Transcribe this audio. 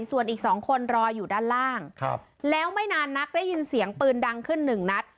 ส่วนอีก๒คนรออยู่ด้านล่างแล้วไม่นานนักได้ยินเสียงปืนดังขึ้นหนึ่งนัด